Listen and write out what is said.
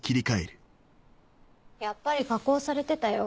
やっぱり加工されてたよ